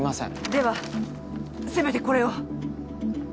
ではせめてこれを。